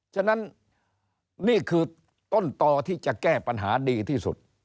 ฉะนั้นนี่คือต้นต่อที่จะแก้ปัญหาดีที่สุด